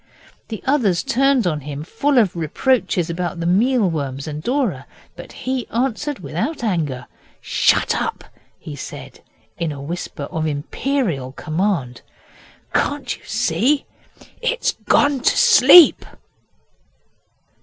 The others turned on him, full of reproaches about the meal worms and Dora, but he answered without anger. 'Shut up,' he said in a whisper of imperial command. 'Can't you see it's GONE TO SLEEP?